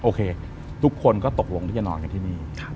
โอเคทุกคนก็ตกลงที่จะนอนกันที่นี่